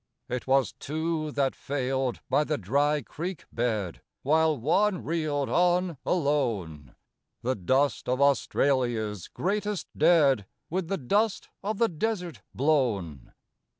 It was two that failed by the dry creek bed, While one reeled on alone The dust of Australia's greatest dead With the dust of the desert blown!